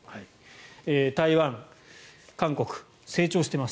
台湾、韓国は成長しています。